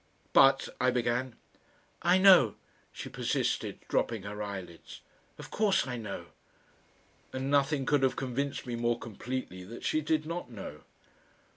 "But " I began. "I know," she persisted, dropping her eyelids. "Of course I know," and nothing could have convinced me more completely that she did not know.